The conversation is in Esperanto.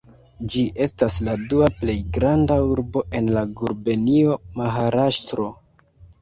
Ĝi estas la dua plej granda urbo en la gubernio Maharaŝtro.